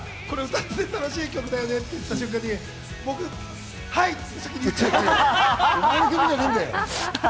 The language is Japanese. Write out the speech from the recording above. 加藤さんが歌ってて楽しい曲だよねって言った瞬間に僕、「はい！」って先に言っちゃった！